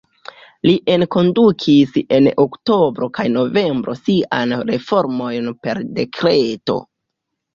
Li enkondukis en oktobro kaj novembro siajn reformojn per dekreto.